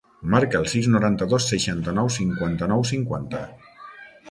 Marca el sis, noranta-dos, seixanta-nou, cinquanta-nou, cinquanta.